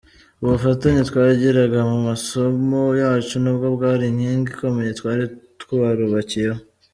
Ubufatanye twagiraga mu masomo yacu nabwo bwari inkingi ikomeye twari twarubakiyeho.